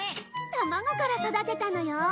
卵から育てたのよ。